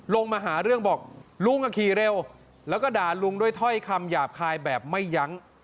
ลงมาหาเรื่องบอกลุงขี่เร็วแล้วก็ด่าลุงด้วยถ้อยคำหยาบคายแบบไม่ยั้ง